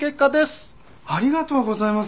ありがとうございます。